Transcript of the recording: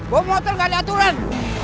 gue motor gak ada aturan